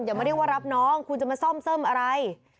อย่ามาเรียกว่ารับน้องคุณจะมาซ่อมเสิร์มอะไร